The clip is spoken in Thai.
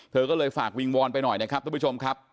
เธอก็เลยฝากวิงวอนไปหน่อยนะครับทุกผู้ชมครับ